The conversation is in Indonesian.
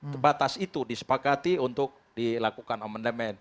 terbatas itu disepakati untuk dilakukan amendement